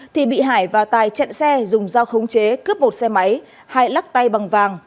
thì bị hải và tài chặn xe dùng dao khống chế cướp bột xe máy hai lắc tay bằng vàng